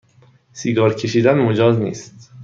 سیگار کشیدن مجاز نیست